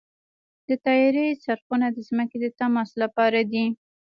د طیارې څرخونه د ځمکې د تماس لپاره دي.